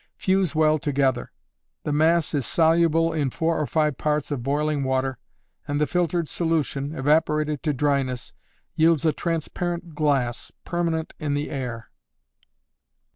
Fuse well together. The mass is soluble in four or five parts of boiling water, and the filtered solution, evaporated to dryness, yields a transparent glass, permanent in the air.